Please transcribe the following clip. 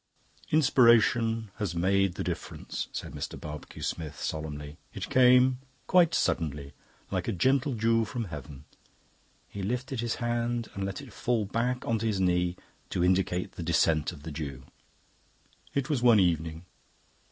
"Inspiration has made the difference," said Mr. Barbecue Smith solemnly. "It came quite suddenly like a gentle dew from heaven." He lifted his hand and let it fall back on to his knee to indicate the descent of the dew. "It was one evening.